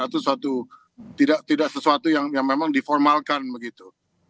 itu tidak sesuatu yang memang diformalkan begitu